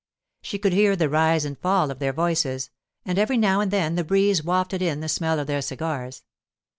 She could hear the rise and fall of their voices, and every now and then the breeze wafted in the smell of their cigars.